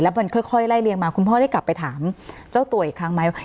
มันค่อยไล่เรียงมาคุณพ่อได้กลับไปถามเจ้าตัวอีกครั้งไหม